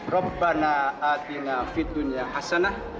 rupanya atina fit dunia hasanah